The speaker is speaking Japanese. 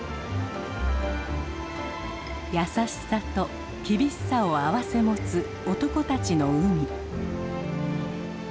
優しさと厳しさを併せ持つ男たちの海。